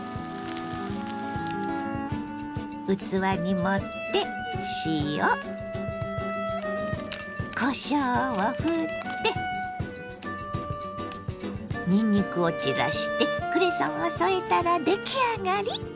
器に盛って塩こしょうをふってにんにくを散らしてクレソンを添えたら出来上がり！